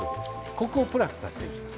コクをプラスさせていきます。